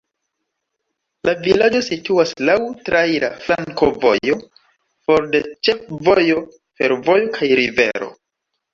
La vilaĝo situas laŭ traira flankovojo, for de ĉefvojo, fervojo kaj rivero.